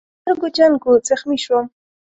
د سترګو جنګ و، زخمي شوم.